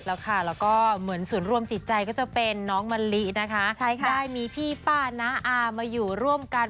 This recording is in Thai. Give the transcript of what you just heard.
แล้วก็เหมือนศูนย์รวมจิตใจก็จะเป็นน้องมะลินะคะได้มีพี่ป้าน้าอามาอยู่ร่วมกัน